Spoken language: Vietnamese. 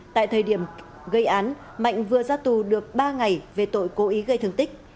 tại thời điểm gây án mạnh vừa ra tù được ba ngày về tội cố ý gây thương tích